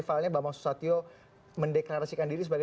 kalau bapak mau deklarasi kapan pak